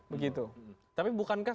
begitu tapi bukankah